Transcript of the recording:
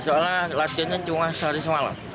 soalnya latihannya cuma sehari semalam